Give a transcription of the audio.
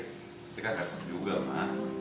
tapi kan gak terjadi juga ma